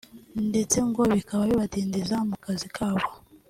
ndetse ngo bikaba bibadindiza mu kazi kabo